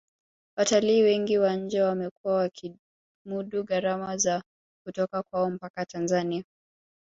watalii wengi wa nje wamekuwa wakimudu gharama za kutoka kwao mpaka tanzania